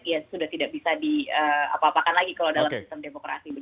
ya sudah tidak bisa diapa apakan lagi kalau dalam sistem demokrasi